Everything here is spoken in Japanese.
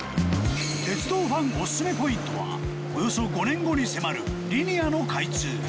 鉄道ファンオススメポイントはおよそ５年後に迫るリニアの開通。